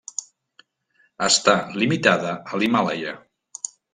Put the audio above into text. Està limitada a l'Himàlaia.